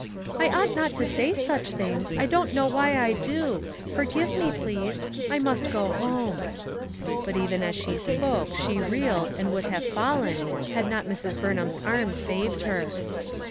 "I ought not to say such things, I don't know why I do; forgive me, please. I must go home." But even as she spoke she reeled and would have fallen had not Mrs. Burnham's arm saved her.